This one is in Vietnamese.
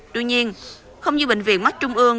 tuy nhiên không như bệnh viện mắc trung ương